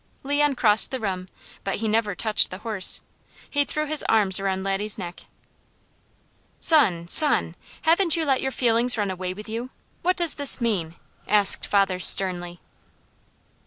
Leon crossed the room, but he never touched the horse. He threw his arms around Laddie's neck. "Son! Son! Haven't you let your feelings run away with you? What does this mean?" asked father sternly.